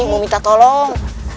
mau minta tolong